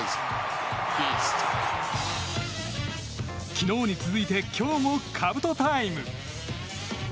昨日に続いて今日もかぶとタイム！